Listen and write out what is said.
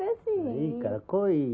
・いいから来いよ。